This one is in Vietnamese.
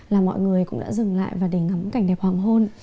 là mọi người cũng đã dừng lại và để ngắm cảnh đẹp hoàng hôn